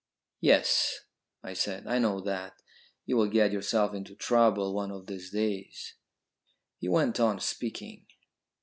"Yes," I said, "I know that. You will get yourself into trouble one of these days." He went on speaking.